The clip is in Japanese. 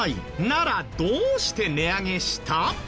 ならどうして値上げした？